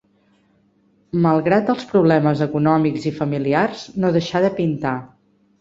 Malgrat els problemes econòmics i familiars, no deixà de pintar.